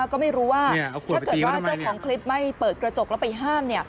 ก็ไม่รู้ว่าถ้าเกิดว่าเจ้าของคลิปไม่เปิดกระจกแล้วไปห้าม